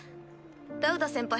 ラウダ先輩